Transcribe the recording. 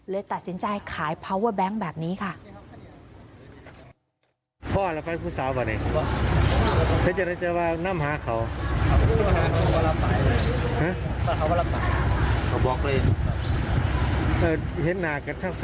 เลยตัดสินใจขายพาวเวอร์แบงค์แบบนี้ค่ะ